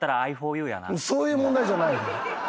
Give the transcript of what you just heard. そういう問題じゃない。